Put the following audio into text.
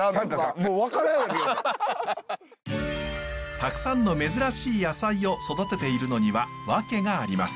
たくさんの珍しい野菜を育てているのには訳があります。